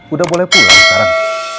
udah boleh pulang sekarang